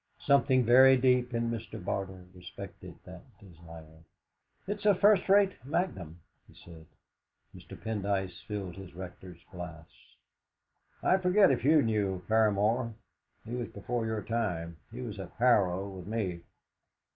Something very deep in Mr. Barter respected that desire. "It's a first rate magnum," he said. Mr. Pendyce filled his Rector's glass. "I forget if you knew Paramor. He was before your time. He was at Harrow with me."